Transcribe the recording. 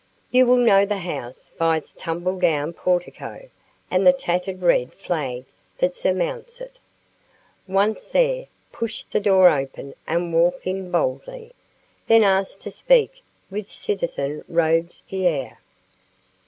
"You will know the house by its tumbledown portico and the tattered red flag that surmounts it. Once there, push the door open and walk in boldly. Then ask to speak with citizen Robespierre."